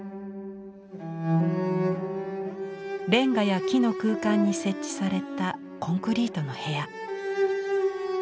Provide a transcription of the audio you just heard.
レンガや木の空間に設置されたコンクリートの部屋。